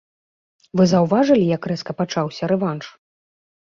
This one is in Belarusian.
Вы заўважылі, як рэзка пачаўся рэванш?